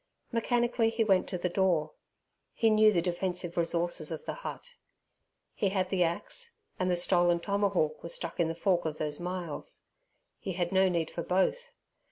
Mechanically he went to the door; he knew the defensive resources of the hut. He had the axe, and the stolen tomahawk was stuck in the fork of those myalls. He had no need for both.